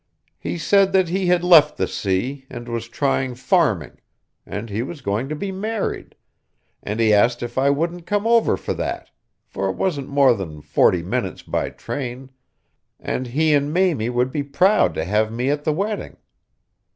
He said that he had left the sea, and was trying farming, and he was going to be married, and he asked if I wouldn't come over for that, for it wasn't more than forty minutes by train; and he and Mamie would be proud to have me at the wedding.